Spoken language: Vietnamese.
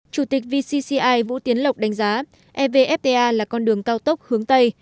chủ tịch vcci vũ tiến lộc đánh giá evfta là con đường cao tốc hướng tây